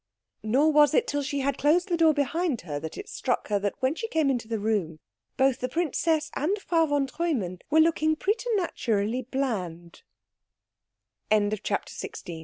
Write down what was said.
Nor was it till she had closed the door behind her that it struck her that when she came into the room both the princess and Frau von Treumann were looking preternaturall